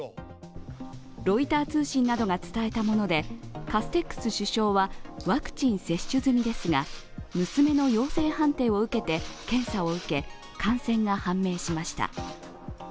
ロイター通信などが伝えたもので、カステックス首相はワクチン接種済みですが娘の陽性判定を受けて検査を受け、感染が判明しました。